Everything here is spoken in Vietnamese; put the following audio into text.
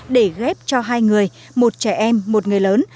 để ghép cho hai người một trẻ em một người lớn